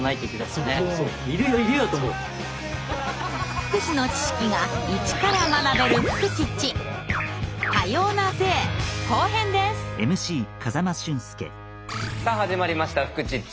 福祉の知識が一から学べるさあ始まりました「フクチッチ」。